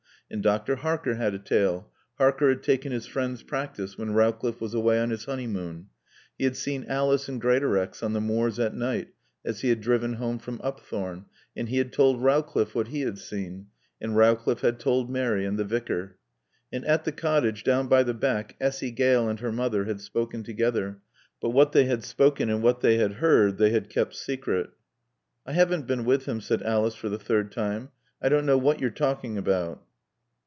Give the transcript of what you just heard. And Dr. Harker had a tale. Harker had taken his friend's practice when Rowcliffe was away on his honeymoon. He had seen Alice and Greatorex on the moors at night as he had driven home from Upthorne. And he had told Rowcliffe what he had seen. And Rowcliffe had told Mary and the Vicar. And at the cottage down by the beck Essy Gale and her mother had spoken together, but what they had spoken and what they had heard they had kept secret. "I haven't been with him," said Alice for the third time. "I don't know what you're talking about."